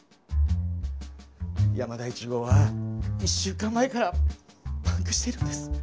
山田１号は１週間前からパンクしているんです。